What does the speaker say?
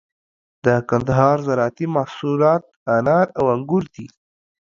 د کندهار زراعتي محصولات انار او انگور دي.